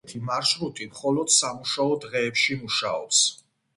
ზოგიერთი მარშრუტი მხოლოდ სამუშაო დღეებში მუშაობს.